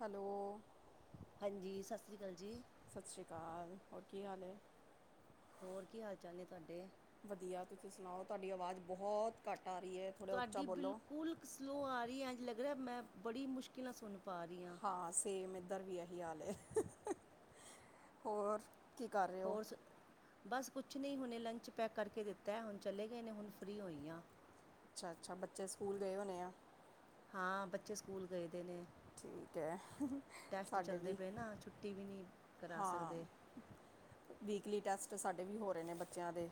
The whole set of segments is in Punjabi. ਹੈਲੋ ਹਾਂਜੀ ਸਸ੍ਰੀ ਅਕਾਲ ਜੀ ਸਸ਼੍ਰੀ ਅਕਾਲ, ਹੋਰ ਕੀ ਹਾਲ ਏ ਹੋਰ ਕੀ ਹਾਲ ਚਾਲ ਨੇ ਤਾਡੇ ਵਧੀਆ ਤੁਸੀਂ ਸੁਣਾਓ, ਤਾਡੀ ਆਵਾਜ਼ ਬਹੁਤ ਘੱਟ ਆ ਰਹੀ ਹੈ ਥੋੜ੍ਹਾ ਉੱਚਾ ਤਾਡੀ ਬੋਲੋ ਬਿਲਕੁਲ ਸਲੋਅ ਆ ਰਹੀ ਹੈ, ਐਂਜ ਲੱਗ ਰਿਹਾ, ਮੈਂ ਬੜੀ ਮੁਸ਼ਕਿਲ ਨਾਲ ਸੁਣ ਪਾ ਰਹੀ ਹਾਂ ਹਾਂ ਸੇਮ ਇੱਧਰ ਵੀ ਇਹੀ ਹਾਲ ਐ, ਹੋਰ ਕੀ ਕਰ ਰਹੇ ਹੋ ਹੋਰ ਸ, ਬਸ ਕੁਛ ਨਹੀਂ ਹੁਣੇ ਲੰਚ ਪੈਕ ਕਰਕੇ ਦਿੱਤਾ ਹੁਣ ਚਲੇ ਗਏ ਨੇ ਹੁਣ ਫਰੀ ਹੋਈ ਆਂ ਅੱਛਾ- ਅੱਛਾ ਬੱਚੇ ਸਕੂਲ ਗਏ ਹੋਨੇ ਆ ਹਾਂ ਬੱਚੇ ਸਕੂਲ ਗਏ ਦੇ ਨੇ ਠੀਕ ਐ, ਟੈਸਟ ਸਾਡੇ ਚੱਲਦੇ ਵੀ ਪਏ ਨਾ ਛੁੱਟੀ ਵੀ ਨਹੀਂ ਕਰਾ ਹਾਂ ਸਕਦੇ ਵੀਕਲੀ ਟੈਸਟ ਸਾਡੇ ਵੀ ਹੋ ਰਹੇ ਨੇ ਬੱਚਿਆਂ ਦੇ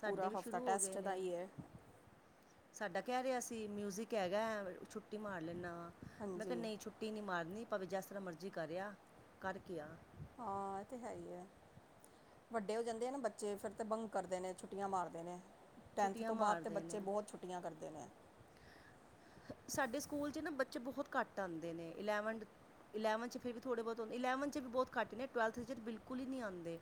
ਸਾਡੇ ਪੂਰਾ ਵੀ ਹਫ਼ਤਾ ਸ਼ੁਰੂ ਹੋ ਗਏ ਟੈਸਟ ਦਾ ਨੇ ਹੀ ਐ ਸਾਡਾ ਕਹਿ ਰਿਹਾ ਸੀ ਮਿਊਜਿਕ ਹੈਗਾ ਛੁੱਟੀ ਮਾਰ ਲੈਂਦਾ ਵਾ, ਮੈਂ ਕਿਹਾ ਹਾਂਜੀ ਨਹੀਂ ਛੁੱ ਛੁੱਟੀ ਨੀ ਮਾਰਨੀ ਭਾਵੇਂ ਜਿਸ ਤਰ੍ਹਾਂ ਮਰਜ਼ੀ ਕਰਿਆ, ਕਰਕੇ ਆ ਹਾਂ ਇਹ ਤੇ ਹੈ ਹੀ ਹੈ ਵੱਡੇ ਹੋ ਜਾਂਦੇ ਆ ਨਾ ਬੱਚੇ, ਫੇਰ ਤੇ ਬੰਗ ਕਰਦੇ ਨੇ ਛੁੱਟੀਆਂ ਮਾਰਦੇ ਨੇ ਟੈਂਥ ਛੁੱਟੀਆਂ ਤੋਂ ਬਾਅਦ ਤੇ ਮਾਰਦੇ ਬੱਚੇ ਨੇ ਬਹੁਤ ਛੁੱਟੀਆਂ ਕਰਦੇ ਨੇ ਸਾਡੇ ਸਕੂਲ 'ਚ ਨਾ ਬੱਚੇ ਬਹੁਤ ਘੱਟ ਆਂਦੇ ਨੇ ਇਲੈਵਨ ਇਲੈਵਨਥ 'ਚ ਫਿਰ ਵੀ ਥੋੜ੍ਹੇ ਬਹੁਤ, ਇਲੈਵਨਥ 'ਚ ਵੀ ਬਹੁਤ ਘੱਟ ਨੇ, ਟਵੈਲਥ 'ਚ ਬਿਲਕੁਲ ਹੀ ਨਹੀਂ ਆਉਂਦੇ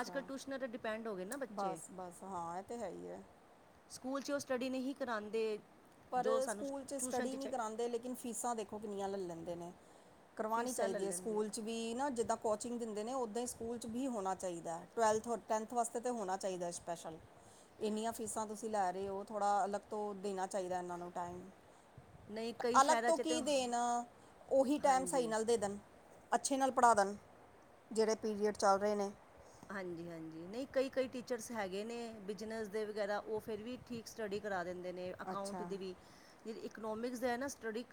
ਅੱਜ- ਕੱਲ ਟਿਊਸ਼ਨਾਂ 'ਤੇ ਡਿਪੈਂਡ ਹੋ ਗਏ ਨਾ ਬਸ ਬੱਚੇ ਬਸ ਹਾਂਤ ਇਹ ਤੇ ਹੈ ਹੀ ਹੈ ਸਕੂਲ 'ਚ ਉਹ ਸਟੱਡੀ ਨਹੀਂ ਕਰਾਂਦੇ ਪਰ ਸਕੂਲ 'ਚ ਸਟੱਡੀ ਨਹੀਂ ਕਰਾਂਦੇ ਲੇਕਿਨ ਫੀਸਾਂ ਦੇਖੋ ਕਿੰਨੀਆਂ ਲੈ ਲੈਂਦੇ ਨੇ ਕਰਵਾਉਣੀ ਫੀਸਾਂ ਲੈ ਚਾਹੀਦੀ ਏ ਲੈਂਦੇ ਆ ਸਕੂਲ 'ਚ ਵੀ ਨਾ ਜਿੱਦਾਂ ਕੋਚਿੰਗ ਦਿੰਦੇ ਨੇ ਉਹਦਾਂ ਹੀ ਸਕੂਲ 'ਚ ਵੀ ਹੋਣਾ ਚਾਹੀਦਾ ਟਵੈਲਥ ਔਰ ਟੈਂਨਥ ਟੈਂਨਥ ਵਾਸਤੇ ਤੇ ਹੋਣਾ ਚਾਹੀਦਾ ਸਪੈਸ਼ਲ, ਇੰਨੀਆਂ ਫੀਸਾਂ ਤੁਸੀਂ ਲੈ ਰਹੇ ਹੋ ਥੋੜਾ ਅਲੱਗ ਤੋਂ ਦੇਣਾ ਚਾਹੀਦਾ ਇਹਨਾਂ ਨੂੰ ਟੈਮ ਨਹੀਂ ਕਈ ਅਲੱਗ ਸ਼ਹਿਰਾਂ ਤੋਂ 'ਚ ਕੀ ਤਾਂ ਦੇਣਾ, ਉਹੀ ਟੈਮ ਸਹੀ ਹਾਂਜੀ ਨਾਲ ਦੇ ਦੇਣ ਅੱਛੇ ਨਾਲ ਪੜ੍ਹਾਦਣ, ਜਿਹੜੇ ਪੀਰੀਅਡ ਚੱਲ ਰਹੇ ਨੇ ਹਾਂਜੀ- ਹਾਂਜੀ, ਨਹੀਂ ਕਈ ਕਈ ਟੀਚਰਸ ਹੈਗੇ ਨੇ ਬਿਜਨਸ ਦੇ ਵਗੈਰਾ ਉਹ ਫੇਰ ਵੀ ਠੀਕ ਸਟੱਡੀ ਕਰਾ ਦਿੰਦੇ ਨੇ ਅਕਾਊਂਟ ਅੱਛਾ ਦੀ ਵੀ, ਜਿਹੜੀ ਇਕੋਨੋਮਿਕਸ ਦਾ ਹੈ ਨਾ ਸਟੱਡੀ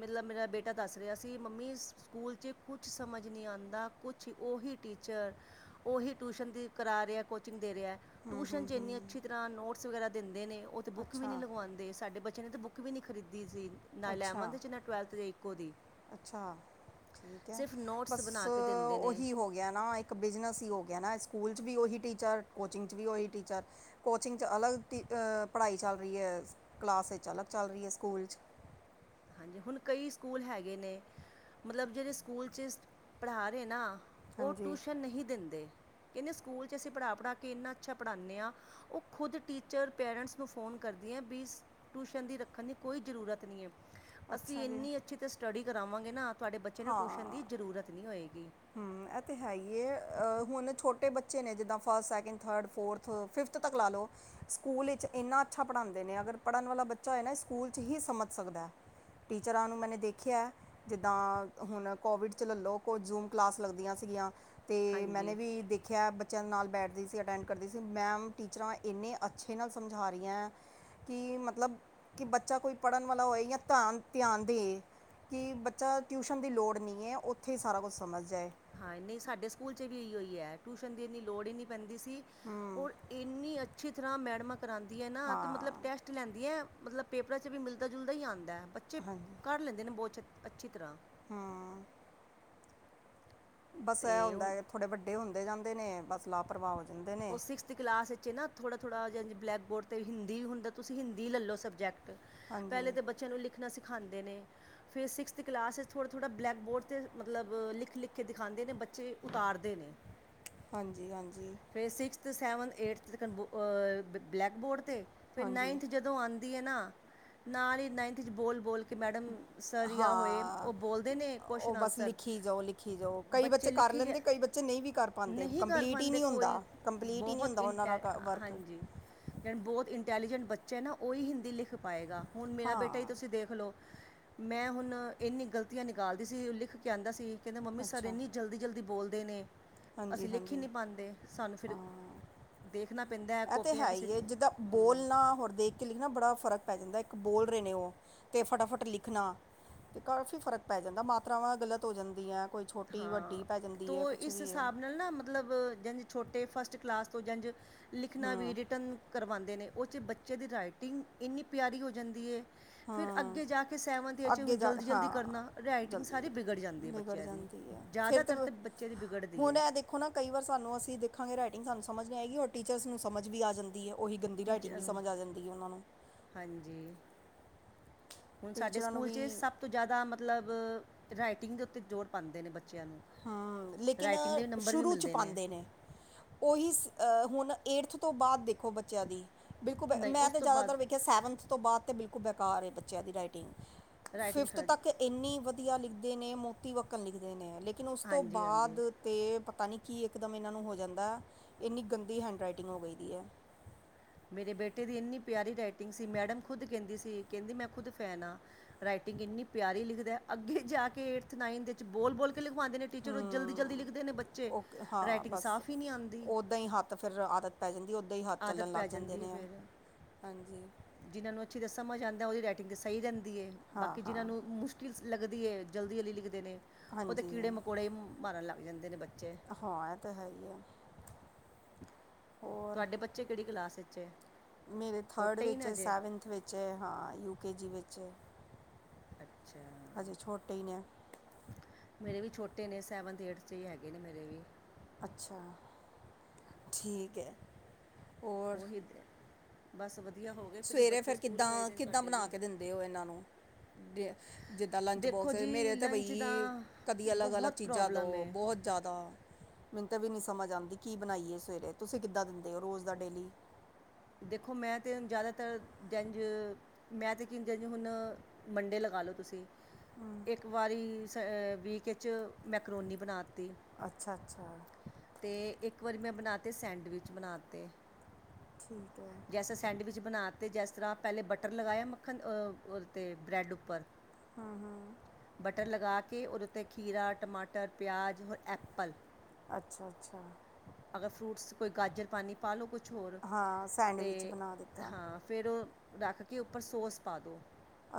ਮਤ ਮੇਰਾ ਬੇਟਾ ਦੱਸ ਰਿਹਾ ਸੀ ਮੰਮੀ ਸਕੂਲ 'ਚ ਕੁਛ ਸਮਝ ਨਹੀਂ ਆਂਦਾ ਕੁਛ ਉਹੀ ਟੀਚਰ ਉਹੀ ਟਿਊਸ਼ਨ ਦੀ ਕਰਾ ਰਿਹਾ ਕੋਚਿੰਗ ਦੇ ਰਿਹਾ, ਟਿਊਸ਼ਨ 'ਚ ਐਨੀ ਅੱਛੀ ਤਰ੍ਹਾਂ ਨੋਟਸ ਵਗੈਰਾ ਦਿੰਦੇ ਨੇ ਉਹ ਤਾਂ ਬੁੱਕ ਵੀ ਨਹੀਂ ਅੱਛਾ ਲਗਵਾਂਦੇ ਸਾਡੇ ਬੱਚਿਆਂ ਨੇ ਤਾਂ ਬੁੱਕ ਵੀ ਨਹੀਂ ਖਰੀਦੀ ਸੀ। ਨਾ ਅੱਛਾ ਇਲੈਵਨਥ ਚ ਨਾ ਟਵੈਲਥ ਇੱਕੋ ਦੀ। ਅੱਛਾ ਠੀਕ ਐ, ਸਿਰਫ ਨੋਟਸ ਬਸ ਬਣਾ ਕੇ ਦਿੰਦੇ ਨੇ ਓਹੀ ਹੋ ਹੋ ਗਿਆ ਨਾ ਇੱਕ ਬਿਜਨਸ ਈ ਹੋ ਗਿਆ ਨਾ ਸਕੂਲ ਚ ਵੀ ਓਹੀ ਟੀਚਰ ਕੋਚਿੰਗ ਚ ਵੀ ਓਹੀ ਟੀਚਰ। ਕੋਚਿੰਗ ਚ ਅਲੱਗ ਪੜ੍ਹਾਈ ਚੱਲ ਰੀ ਐ ਕਲਾਸ ਚ ਅਲੱਗ ਚੱਲ ਰੀ ਐ ਸਕੂਲ ਚ। ਹਾਂਜੀ ਹੁਣ ਕਈ ਸਕੂਲ ਹੈਗੇ ਨੇ ਮਤਲਬ ਜੇੜੇ ਚ ਸਕੂਲ ਚ ਪੜ੍ਹਾ ਰੇ ਨਾ। ਓ ਹਾਂਜੀ ਟੁਸ਼ਨ ਨਹੀਂ ਦਿੰਦੇ ਕੈਂਦੇ ਸਕੂਲ ਚ ਅਸੀਂ ਪੜ੍ਹਾ-ਪੜ੍ਹਾ ਕੇ ਇੰਨਾ ਅੱਛਾ ਪੜਾਨੇ ਆ ਆਈ ਖੁਦ ਟੀਚਰ ਪੇਰੈਂਟਸ ਨੂੰ ਫ਼ੋਨ ਕਰਦੀ ਐ ਵੀ ਟੁਸ਼ਨ ਦੀ ਰੱਖਣ ਦੀ ਕੋਈ ਜ਼ਰੂਰਤ ਨੀ ਐ। ਅਸੀਂ ਅੱਛਾ ਜੀ ਇੰਨੀ ਅੱਛੀ ਤੇ ਸਟੱਡੀ ਕਰਾਵਾਂਗੇ ਨਾ ਤੁਹਾਡੇ ਬੱਚੇ ਨੂੰ ਟੁਸ਼ਨ ਦੀ ਜ਼ਰੂਰਤ ਨੀ ਹੋਏਗੀ। ਹੂੰ ਐ ਤੇ ਹੈ ਈ ਏ ਅ ਹੁਣ ਛੋਟੇ ਬੱਚੇ ਨੇ ਜਿੱਦਾਂ first, second, third, fourth, fifth ਤੱਕ ਲਾ ਲੋ। ਸਕੂਲ ਵਿੱਚ ਇੰਨਾ ਅੱਛਾ ਪੜ੍ਹਾਂਦੇ ਨੇ ਅਗਰ ਪੜ੍ਹਨ ਵਾਲਾ ਬੱਚਾ ਹੋਏ ਨਾ ਸਕੂਲ ਚ ਹੀ ਸਮਝ ਸਕਦੈ। ਟੀਚਰਾਂ ਨੂੰ ਮੈਨੇ ਦੇਖਿਆ ਜਿੱਦਾਂ ਹੁਣ ਕੋਵਿਡ ਚ ਲੈ ਲੋ ਕੋ ਜ਼ੂਮ ਕਲਾਸ ਲੱਗਦੀਆਂ ਸੀਗੀਆਂ ਤੇ ਮੈਨੇ ਹਾਂਜੀ ਵੀ ਦੇ ਖਿਆ ਬੱਚਿਆਂ ਦੇ ਨਾਲ ਬੈਠਦੀ ਸੀ ਅਟੈਂਡ ਕਰਦੀ ਸੀ ਮੈਮ ਟੀਚਰਾਂ ਇੰਨੇ ਅੱਛੇ ਨਾਲ ਸਮਝਾ ਰਈਐ। ਕੀ ਮਤਲਬ ਕੀ ਬੱਚਾ ਕੋਈ ਪੜ੍ਹਨ ਵਾਲਾ ਹੋਏ ਜਾਂ ਧਿਆ ਧਿਆਨ ਦੇ। ਕੀ ਬੱਚਾ ਟਿਊਸ਼ਨ ਦੀ ਲੋੜ ਨੀ ਐ ਉੱਥੇ ਈ ਸਾਰਾ ਕੁੱਛ ਸਮਝ ਜਾਏ। ਹਾਂ ਨਈ ਸਾਡੇ ਸਕੂਲ ਚ ਵੀ ਏਈਓ ਈ ਟਿਊਸ਼ਨ ਦੀ ਇੰਨੀ ਲੋੜ ਹੀ ਨੀ ਪੈਂਦੀ ਸੀ। ਹੂੰ ਇੰਨੀ ਅੱਛੀ ਤਰ੍ਹਾਂ ਮੈਡਮਾਂ ਕਰਾਂਦੀਆਂ ਨਾ ਤੇ ਹਾਂ ਮਤਲਬ ਟੈਸ ਟ ਲੈਂਦੀਐ ਮਤਲਬ ਪੇਪਰਾਂ ਚ ਵੀ ਮਿਲਦਾ ਜੁਲਦਾ ਈ ਆਂਦੈ ਬੱਚੇ ਹਾਂਜੀ ਕਰ ਲੈਂਦੇ ਨੇ ਬਹੁਤ ਛ ਅੱਛੀ ਤਰ੍ਹਾਂ। ਹਾਂ। ਬੱਸ ਤੇ ਐ ਹੁਣ ਹੁੰਦੈ ਥੋੜੇ ਵੱਡੇ ਹੁੰਦੇ ਜਾਂਦੇ ਨੇ ਬੱਸ ਲਾਪਰਵਾਹ ਹੋ ਜਾਂਦੇ ਨੇ। ਤੇ ਕਲਾਸ ਵਿੱਚ ਨਾ ਥੋੜ੍ਹਾ-ਥੋੜ੍ਹਾ ਜ ਬਲੈਕ ਬੋਰਡ ਤੇ ਹਿੰਦੀ ਵੀ ਹੁੰਦਾ ਤੁਸੀ ਹਿੰਦੀ ਲੈਲੋ ਸਬਜੈਕਟ। ਹਾਂਜੀ ਪੈਲੇ ਤੇ ਬੱਚਿਆਂ ਨੂੰ ਲਿਖਣਾ ਸਿਖਾਂਦੇ ਨੇ। ਫਿਰ ਸਿਕਸਥ ਕਲਾਸ ਥੋੜ੍ਹਾ-ਥੌੜ੍ਹਾ ਬਲੈਕ ਬੋਰਡ ਤੇ ਮਤਲਬ ਲਿਖ-ਲਿਖ ਕੇ ਦਿਖਾਂਂਦੇ ਨੇ ਬੱਚੇ ਉਤਾਰਦੇ ਨੇ। ਹਾਂਜੀ-ਹਾਂਜੀ। ਫੇਰ ਸਿਕਸਥ, ਸੈਵਨਥ, ਏਟਥ ਕੰ ਅ ਬਲੈਕ ਬੋਰਡ ਤੇ ਫਿਰ ਹਾਂਜੀ ਨਾਈਨਥ ਜ ਦੋਂ ਆਂਦੀ ਐ ਨਾ ਨਾਲ ਈ ਨਾਈਨਥ ਚ ਬੋਲ-ਬੋਲ ਕੇ ਮੈਡਮ ਸਰ ਜਾਂ ਹੋਏ ਹਾਂ ਉਹ ਬੋਲਦੇ ਨੇ ਓ ਕੁਐਸਚਨ ਬਸ ਆਨਸਰ ਲਿਖੀ ਜਾਓ ਲਿਖੀ ਜਾਓ ਕਈ ਬੱਚੇ ਕਰ ਲਿਖੀ ਜਾ ਲੈਂਦੇ ਕਈ ਬੱ ਚੇ ਨਈ ਵੀ ਕਰ ਪਾਂਦੇ ਨਹੀਂ ਕਰ ਕੰਪਲੀਟ ਈ ਪਾਉਂਦੇ ਨੀ ਕੋਈ ਹੁੰਦਾ ਕੰਪਲੀਟ ਈ ਨੀ ਹੁੰਦਾ ਉਨਾਂ ਦਾ ਕ ਵਰਕ। ਜੇੜ੍ਹੇ ਬੋਤ ਇੰਟੈਲੀਜੈਂਟ ਬੱਚੇ ਐ ਨਾ ਓਈ ਹਿੰਦੀ ਲਿਖ ਪਾਏਗਾ ਹੁਣ ਮੇਰਾ ਹਾਂ ਬੇਟਾ ਈ ਤੁਸੀਂ ਦੇਖ ਲੋ ਮੈਂ ਹੁਣ ਇੰਨੀ ਗਲਤੀਆਂ ਨਿਕਾਲਦੀ ਸੀ ਲਿਖ ਕੇ ਆਂਦਾ ਸੀ ਕੈਂਦਾ ਮੰਮੀ ਸਰ ਅੱਛਾ ਇੰਨੀ ਜਲਦੀ-ਜਲਦੀ ਬੋਲਦੇ ਨੇ ਅਸੀਂ ਹਾਂਜੀ ਲਿਖ ਈ ਨੀ ਹਾਂਜੀ ਪਾਂਦੇ। ਸਾਨੂੰ ਫਿਰ ਹਾਂ ਦੇਖਣਾ ਪੈਂਦਾ ਇਹ ਤੇ ਕੌਪੀਆਂ ਹੈ ਕਿਸੇ ਹੀ ਦੀ। ਹੈ ਜਿੱਦਾਂ ਬੋਲਣਾ ਹੋਰ ਦੇਖ ਕੇ ਲਿਖਣਾ ਬੜਾ ਫ਼ਰਕ ਪੈ ਜਾਂਦਾ ਇੱਕ ਬੋਲ ਰੇ ਨੇ ਓ ਤੇ ਫਟਾਫਟ ਲਿਖਣਾ ਤੇ ਕਾਫ਼ੀ ਫ਼ਰਕ ਪੈ ਜਾਂਦਾ ਮਾਤਰਾਵਾਂ ਗ਼ਲਤ ਹੋ ਜਾਂਦੀਆਂ। ਕੋਈ ਛੋਟੀ ਵੱਡੀ ਹਾਂ ਪੈ ਜਾਂਦੀ ਐ ਤੋ ਕੁੱਛ ਇਸ ਹਿਸਾਬ ਨਾਲ ਨਾ ਮਤਲਬ ਜ ਛੋਟੇ ਫਸਟ ਕਲਾਸ ਤੋਂ ਜਾਂ ਲਿਖਣਾ ਵੀ ਹੂੰ ਰਿਟਨ ਕਰਵਾਂਦੇ ਨੇ ਓ ਚ ਬੱਚੇ ਦੀ ਰਾਈਟਿੰਗ ਇੰਨੀ ਪਿਆਰੀ ਹੋ ਜਾਂਦੀ ਏ। ਫਿਰ ਹੂੰ ਅੱਗੇ ਜਾ ਕੇ ਸੈਵਨਥ ਵਿੱਚ ਹੁ ਅੱਗੇ ਜਾ ਜਲਦੀ-ਜਲਦੀ ਹਾਂ ਕਰਨਾ ਰਾਈਟਿੰਗ ਸਾਰੀ ਜਲਦੀ ਵਿਗੜ ਜਾਂਦੀ ਐ ਵਿਗੜ ਬੱਚਿਆਂ ਦੀ। ਜਾਂਦੀ ਹੈ ਫਿਰ ਜਾਦਾਤਰ ਬ- ਤੇ ਬੱਚੇ ਦੀ ਵਿਗੜਦੀ ਹੁਣ ਏ। ਇਹ ਦੇਖੋ ਨਾ ਕਈ ਵਾਰ ਸਾਨੂੰ ਅਸੀਂ ਦੇਖਾਂਗੇ ਰਾਈਟਿੰਗ ਸਾਨੂੰ ਸਮਝ ਨੀ ਆਏਗੀ ਔਰ ਟੀਚਰਸ ਨੂੰ ਸਮਝ ਵੀ ਆ ਜਾਂਦੀ ਅ। ਓਹੀ ਗੰਦੀ ਰਾਈਟਿੰਗ ਟੀਚਰ ਵੀ ਨੂੰ ਸਮਝ ਆ ਜਾਂਦੀ ਐ ਉਨਾਂ ਨੂੰ। ਹਾਂਜੀ, ਹੁਨ ਸਾਡੇ ਟੀਚਰਾਂ ਨੂੰ ਸਕੂਲ ਚ ਵੀ ਸਭ ਤੋਂ ਜਾਦਾ ਮਤਲਬ ਰਾਈਟਿੰਗ ਦੇ ਉਤੇ ਜ਼ੋਰ ਪਾਂਦੇ ਨੇ ਬੱਚਿਆਂ ਨੂੰ। ਲੇਕੀਨ ਰਾਈਟਿੰਗ ਦੇ ਨੰਬਰ ਵੀ ਸ਼ੁਰੂ ਚ ਮਿਲਦੇ ਪਾਂਦੇ ਨੇ। ਓਹੀ ਸ ਹੁਨ ਏਟਥ ਤੋਂ ਬਾਦ ਦੇਖੋ ਬ ਚੇਆ ਦੀ ਬਿਲਕੁੱਲ ਨਹੀਂ ਮੈਂ ਉਸ ਤਾ ਤੋਂ ਜਾਦਾਤਰ [unintelligible] ਬਾਅਦ ਕੀ ਸੈਵਨਥ ਤੋਂ ਬਾਦ ਤਾਂ ਬਿਲਕੁੱਲ ਬੇਕਾਰ ਏ ਬੱਚਿਆਂ ਦੀ ਰਾਈਟਿੰਗ ਰਾਈਟਿੰਗ ਫਿਫਥ ਖਰਾ ਤੱਕ ਇੰਨੀ ਵਦੀਆ ਲਿਖਦੇ ਨੇ ਮੋਤੀ ਵੱਕਣ ਲਿਖਦੇ ਨੇ ਲੇਕਿਨ ਉਸ ਤੋਂ ਹਾਂਜੀ ਹਾਂਜੀ ਬਾਅਦ ਤੇ ਪਤਾ ਨੀ ਕੀ ਇਕਦਮ ਏਨਾਂ ਨੂੰ ਹੋ ਜਾਂਦਾ, ਇੰਨੀ ਗੰਦੀ ਹੈਂਡਰਾਈਟਿੰਗ ਹੋ ਗਈ ਦੀ ਐ। ਮੇਰੇ ਬੇਟੇ ਦੀ ਇੰਨੀ ਪਿਆਰੀ ਰਾਈਟਿੰਗ ਸੀ ਮੈਡਮ ਖੁਦ ਕੈਂਦੀ ਸੀ ਕੈਂਦੀ ਮੈਂ ਖੁਦ ਫੈਨ ਆ ਰਾਈਟਿੰਗ ਇੰਨੀ ਪਿਆਰੀ ਲਿਖਦਾ ਅੱਗੇ ਜਾ ਕੇ ਏਟਥ ਨਾਈਥ ਵਿੱਚ ਬੋਲ-ਬੋਲ ਕੇ ਲਿਖਵਾਦੇ ਨੇ ਟੀਚਰ ਓ ਜਲਦੀ-ਜਲਦੀ ਹੂੰ ਲਿਖਦੇ ਨੇ ਬੱਚੇ ਓਕੇ ਰਾਈਟਿੰਗ ਸਾਫ਼ ਈ ਨੀ ਆਂਦੀ ਤਾਂ ਫਿਰ ਆਦਤ ਪੈ ਜਾਂਦੀ, ਓਦਾਂ ਈ ਹੱਥ ਆਦਤ ਚੱਲਣ ਲੱਗ ਪੈ ਜਾਂਦੇ ਨੇ ਹਾਂਜੀ ਜਿੰਨਾ ਨੂੰ ਅੱਛੀ [unintelligible] ਸਮਝ ਆਦਾ ਓਦੀ ਰਾਈਟਿੰਗ ਸਈ ਜਾਦੀ ਏ, ਹਾਂ ਬਾਕੀ ਹਾਂ ਜਿੰਨਾਂ ਨੂੰ ਮੁਸ਼ ਕਿਲ ਲੱਗਦੀ ਏ ਜਲਦੀ-ਲਦੀ ਲਿਗਦੇ ਨੇ, ਓ ਤਾਂ ਹਾਂਜੀ ਕੀੜੇ-ਮਕੌੜੇ ਮਾਰਨ ਲੱਗ ਜਾਂਦੇ ਨੇ ਬੱਚੇ ਹਾ ਏ ਤੇ ਹੈਈ ਐ। ਤੁਆਡੇ ਬੱਚੇ ਕੇੜੀ ਕਲਾਸ ਵਿੱਚ ਐ ਮੇਰੇ ਥਰਡ ਵਿੱਚ ਸੈਵਨਥ ਵਿੱਚ ਹਾਂ ਯੂ ਕੇ ਜੀ ਵਿੱਚ ਅੱਛਾ ਹਜੇ ਛੋਟੇ ਈ ਨੇ ਮੇਰੇ ਵੀ ਛੋਟੇ ਨੇ ਸੈਵਨਥ, ਏਟਥ ਈ ਹੈਗੇ ਨੇ ਮੇਰੇ ਵੀ। ਅੱਛਾ, ਠੀਕ ਐ ਹੋਰ? ਉਹੀ ਬਸ ਵਦੀਆ। ਸਵੇਰੇ ਫਿਰ ਕਿੱਦਾਂ-ਕਿੱਦਾਂ, ਬਣਾ ਕੇ ਦਿੰਦੇ ਓ ਏਨਾਂ ਨੂੰ? ਜਿੱਦਾਂ ਲੰਚ ਦੇਖੋ ਬੋਕਸ ਜੀ ਮੇਰੇ ਤਾਂ ਲੰਚ ਦਾ ਬਈ ਕਦੀ ਅਲੱਗ-ਅਲੱਗ ਬਹੁਤ ਚੀਜ਼ਾਂ ਦੋ ਪ੍ਰੋਬਲਮ ਹੈ ਬੋਹ ਜ਼ਿਆਦਾ ਮਿੰਤ ਵੀ ਨੀ ਸਮਝ ਆਂਦੀ ਕੀ ਬਣਾਈਏ ਸਵੇਰੇ ਤੁਸੀਂ ਕਿੱਦਾਂ ਦਿੰਦੇ ਓ ਰੋਜ਼ ਦਾ ਡੇਲੀ? ਦੇਖੋ ਮੈਂ ਤਾਂ ਜ਼ਿਆਦਾਤਰ ਜੈਂਝ ਮੈਂ ਤਾਂ ਕੀ ਜ ਹੁਣ ਮੰਡੇ ਲਗਾ ਲਓ ਤੁਸੀਂ ਇੱਕ ਵਾਰੀ ਸ ਵੀਕ ਚ ਮੈਕਰੋਨੀ ਬਣਾਤੀ ਅੱਛਾ-ਅੱਛਾ। ਅਤੇ ਇੱਕ ਵਾਰੀ ਮੈਂ ਬਣਾ ਤੇ ਸੈਂਡਵਿਚ ਬਣਾ ਤੇ ਠੀਕ ਏ। ਜੈਸਾ ਸੈਂਡਵਿਚ ਬਣਾ ਤੇ ਜਿਸ ਤਰ੍ਹਾਂ ਪੈਲੇ ਬਟਰ ਲਗਾਏਆ ਮੱਖਣ, ਤੇ ਬ੍ਰੈਡ ਉੱਪਰ ਬਟਰ ਲਗਾ ਕੇ ਔਰ ਤੇ ਖੀਰਾ, ਟਮਾਟਰ, ਪਿਆਜ਼ ਹੋਰ ਐਪਲ ਅੱਛਾ ਅੱਛਾ ਅਗਰ ਫਰੂਟਸ ਕੋਈ ਗਾਜਰ ਪਾਨੀ ਪਾ ਲਓ ਕੁਛ ਹੋਰ ਹਾਂ, ਸ ਤੇ ਹਾਂ ਫੇਰ ਓ ਰੱਖ ਕੇ ਉੱਪਰ ਸੌਸ ਪਾ ਦੋ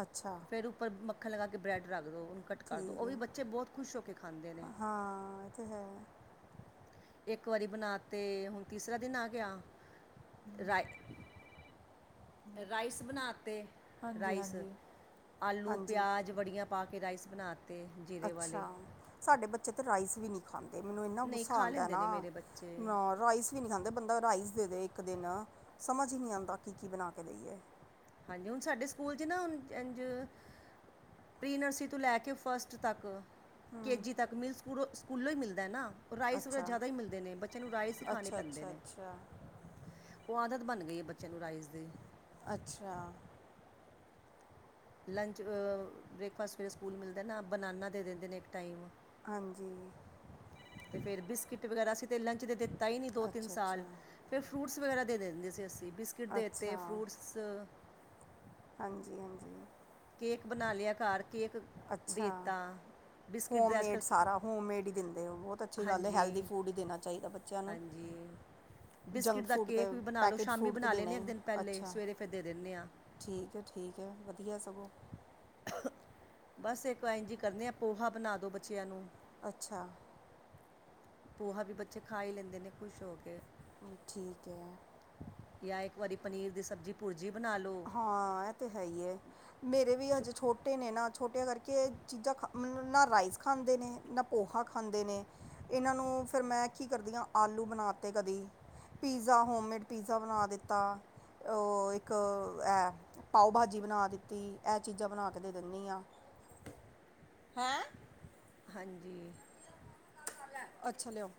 ਅੱਛਾ ਫਿਰ ਉਪਰ ਮੱਖਣ ਲਗਾ ਕੇ, ਬਰੈਡ ਰੱਖ ਦੋ ਓਨੂੰ ਕਰਦੋ ਠੀਕ ਓ ਵੀ ਹੈ ਬੱਚੇ ਬੋਤ ਖੁਸ਼ ਹੋ ਕੇ ਖਾਂਦੇ ਨੇ। ਹਾਂ ਇਹ ਤੇ ਹੈ ਇੱਕ ਵਾਰੀ ਬਣਾ ਤੇ ਹੁਨ ਤੀਸਰਾ ਦਿਨ ਆ ਗਿਆ ਰਾਏ ਰਾਈਸ ਬਣਾ ਤੇ ਰਾਈਸ ਹਾਂਜੀ ਆਲੂ, ਹਾਂਜੀ ਪਿਆਜ, ਬੜੀਆਂ ਪਾ ਕੇ ਰਾਈਸ ਬਣਾਤੇ। ਅੱਛਾ, ਸਾਡੇ ਬੱਚੇ ਤਾਂ ਰਾਈਸ ਵੀ ਨੀ ਖਾਂਦੇ ਨੀ ਮੈਨੂੰ ਇੰਨਾ ਨਹੀਂ ਗੁੱਸਾ ਖਾ ਆਂਦਾ ਲੈਂਦੇ ਨੇ ਨਾ, ਮੇਰੇ ਬੱਚੇ ਰਾਈਸ ਨਹੀਂ ਖਾਂਦੇ, ਬੰਦਾ ਰਾਈਸ ਦੇ ਦੇ ਇੱਕ ਦਿਨ, ਸਮਝ ਹੀ ਨਹੀਂ ਆਉਂਦਾ ਕੀ -ਕੀ ਬਣਾ ਕੇ ਦੇਈਏ। ਹਾਂਜੀ, ਹੁਣ ਸਾਡੇ ਸਕੂਲ ਚ ਨਾ, ਇੰ ਪ੍ਰੀਨਰਸਰੀ ਤੋਂ ਲੈ ਕੇ ਫਸਟ ਤੱਕ ਕੇ ਹੂੰ ਜੀ ਤੱਕ, ਮਿਲ ਸਕੂਲੋਂ- ਸਕੂਲੋਂ ਹੀ ਮਿਲਦਾ ਨਾ। ਰਾਈਸ ਵਗੈਰਾ ਅੱਛਾ ਜ਼ਿਆਦਾ ਹੀ ਮਿਲਦੇ ਨੇ, ਬੱਚਿਆਂ ਨੂੰ ਰਾਈਸ ਹੀ ਖਾਣੇ ਅੱਛਾ ਪੈਂਦੇ ਅੱਛਾ ਨੇ। ਅੱਛਾ ਉਹ ਆਦਤ ਬਣ ਗਈ ਏ, ਬੱਚਿਆਂ ਨੂੰ ਰਾਈਜ਼ ਦੀ। ਅੱਛਾ। ਲੰਚ ਬ੍ਰੇਕਫਾਸਟ, ਫੇਰ ਸਕੂਲ ਮਿਲਦਾ ਨਾ ਬਨਾਨਾ ਦੇ ਦਿੰਦੇ ਨੇ ਇੱਕ ਟਾਈਮ। ਹਾਂਜੀ। ਤੇ ਫਿਰ ਬਿਸਕਿਟ ਵਗੈਰਾ, ਅਸੀਂ ਤਾਂ ਲੰਚ ਤੇ ਦਿੱਤਾ ਹੀ ਨਹੀਂ ਦੋ ਤਿੰਨ ਅੱਛਾ ਅੱਛਾ ਸਾਲ। ਫਿਰ ਫਰੂਟਸ ਵਗੈਰਾ ਦੇ ਦਿੰਦੇ ਸੀ ਅਸੀਂ, ਬਿਸਕਿਟ ਦੇ ਦਿੱਤੇ ਅੱਛਾ ਫਰੂਟਸ। ਹਾਂਜੀ -ਹਾਂਜੀ! ਕੇਕ ਬਣਾ ਲਿਆ ਘਾਰ ਕੇਕ ਅੱਛਾ ਦੇਤਾ, ਬਿਸਕਿਟ ਦਾ ਅੱਜ ਕੱਲ੍ਹ ਹੋਮੇਡ ਹੀ ਦਿੰਦੇ ਹੋ, ਬਹੁਤ ਅੱਛੀ ਗੱਲ ਹੈਲਦੀ ਫੂਡ ਹੀ ਦੇਣਾ ਚਾਹੀਦਾ ਬੱਚਿਆਂ ਨੂੰ। ਜੀ। ਬਿਸਕਿਟ ਜੰਕ ਦਾ ਫੂਡ ਤੇ ਕੇਕ ਵੀ ਬਣਾ ਲਉ, ਪੈਕੇਟ ਸ਼ਾਮੀ ਫੂਡ ਤੇ ਬਣਾ ਦੇਣਾ ਲੈਂਦੇ ਹਾਂ ਇੱਕ ਹੀ ਦਿਨ ਪਹਿਲੇ, ਅੱਛਾ ਸਵੇਰੇ ਫਿਰ ਦੇ ਦਿੰਦੇ ਆਂ ਠੀਕ ਹੈ -ਠੀਕ ਹੈ ਵਧੀਆ ਸਗੋਂ। ਬਸ ਇੱਕ ਇੰਜੀ ਕਰਦੇ ਆ ਪੋਹਾ ਬਣਾ ਦੋ ਬੱਚਿਆਂ ਨੂੰ। ਅੱਛਾ। ਪੋਹਾ ਵੀ ਬੱਚੇ ਖਾ ਹੀ ਲੈਂਦੇ ਨੇ ਖੁਸ਼ ਹੋ ਕੇ। ਠੀਕ ਹੈ। ਜਾਂ ਇੱਕ ਵਾਰੀ ਪਨੀਰ ਦੀ ਸਬਜ਼ੀ ਭੁਰਜੀ ਬਣਾ ਲਉ। ਹਾਂ ਇਹ ਤਾਂ ਹੈ ਹੀ ਏ। ਮੇਰੇ ਵੀ ਸ਼ੁਕ ਹਜੇ ਛੋਟੇ ਨੇ ਨਾ, ਛੋਟੀਆਂ ਕਰਕੇ ਚੀਜ਼ਾਂ ਖਾ ਮਤਲਬ ਨਾ ਰਾਈਸ ਖਾਂਦੇ ਨੇ ਨਾ ਪੋਹਾ ਖਾਂਦੇ ਨੇ, ਇਹਨਾਂ ਨੂੰ ਫਿਰ ਮੈਂ ਕੀ ਕਰਦੀ ਹਾਂ, ਆਲੂ ਬਣਾ ਤੇ ਕਦੀ ਪੀਜ਼ਾ ਹੋਮਮੇਡ ਪੀਜ਼ਾ ਬਣਾ ਦਿੱਤਾ, ਉਹ ਇੱਕ ਹੈ ਪਾਓ ਭਾਜੀ ਬਣਾ ਦਿੱਤੀ, ਇਹ ਚੀਜ਼ਾਂ ਬਣਾ ਕੇ ਦੇ ਦਿੰਦੀ ਹਾਂ। ਹੈਂ। ਹਾਂਜੀ। ਅੱਛਾ ਲਿਆਓ।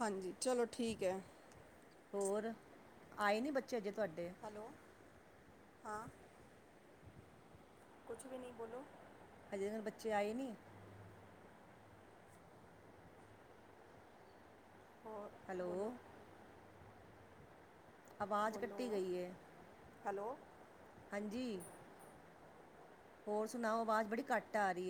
ਹਾਂਜੀ ਚਲੋ ਠੀਕ ਹੈ। ਹੋਰ, ਆਏ ਨਹੀਂ ਬੱਚੇ ਅਜੇ ਤੁਹਾਡੇ? ਹੈਲੋ ਹਾਂ। ਕੁਛ ਵੀ ਨਹੀਂ ਬੋਲੋ। ਅਜੇ ਓਹਦੇ ਬੱਚੇ ਆਏ ਨਹੀਂ? ਹੈਲੋ। ਆਵਾਜ਼ ਬੋਲੋ ਕੱਟੀ ਗਈ ਹੈ ਹੈਲੋ। ਹਾਂਜੀ। ਹੋਰ ਸੁਣਾਓ? ਆਵਾਜ਼ ਬੜੀ ਘੱਟ ਆ ਰਹੀਏ।